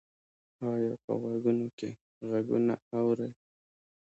ایا په غوږونو کې غږونه اورئ؟